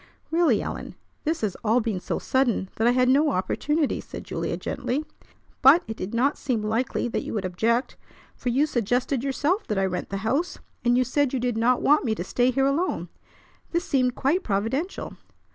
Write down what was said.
"Really, Ellen, this has all been so sudden that I had no opportunity," said Julia gently. "But it did not seem likely that you would object, for you suggested yourself that I rent the house, and you said you did not want me to stay here alone. This seemed quite providential."